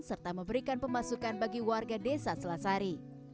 serta memberikan pemasukan bagi warga desa selasari